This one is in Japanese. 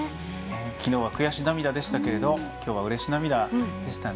きのうは悔し涙でしたけどきょうは、うれし涙でしたね。